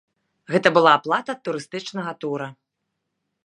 Гэта была аплата турыстычнага тура.